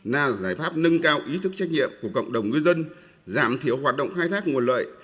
là giải pháp nâng cao ý thức trách nhiệm của cộng đồng ngư dân giảm thiểu hoạt động khai thác nguồn lợi